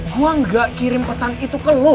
gue gak kirim pesan itu ke lo